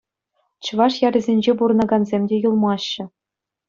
Чӑваш ялӗсенче пурӑнакансем те юлмаҫҫӗ.